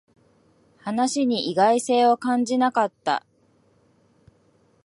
話に意外性を感じなかった